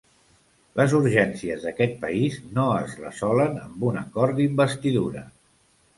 Les urgències d’aquest país no es resolen amb un acord d’investidura.